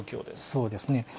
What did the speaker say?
そうですね。